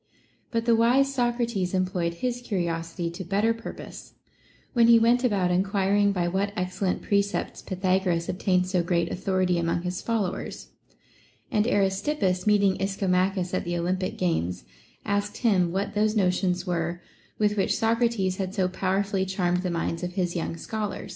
But the wise Socrates employed his curiosity to better purpose, when he went about enquiring by what excellent precepts Pythagoras obtained so great authority among his followers ; and Aris tippus, meeting Ischomachus at the Olympic games, asked him what those notions were with which Socrates had so powerfully charmed the minds of his young scholars ;* Odyss.